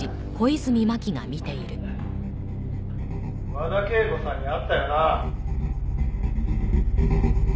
「和田圭吾さんに会ったよな？」